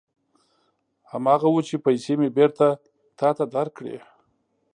هماغه و چې پېسې مې بېرته تا ته درکړې.